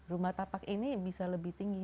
rumah tapak ini bisa lebih tinggi